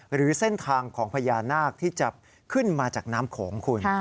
หรือเส้นทางของพญานาคที่จะขึ้นมาจากน้ำโขงคุณ